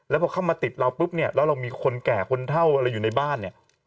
แล้วพอเข้ามาติดเราปุ๊บเนี่ยแล้วเรามีคนแก่คนเท่าอะไรอยู่ในบ้านเนี่ย